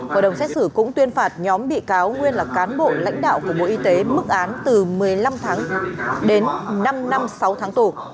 hội đồng xét xử cũng tuyên phạt nhóm bị cáo nguyên là cán bộ lãnh đạo của bộ y tế mức án từ một mươi năm tháng đến năm năm sáu tháng tù